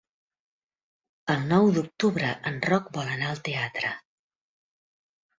El nou d'octubre en Roc vol anar al teatre.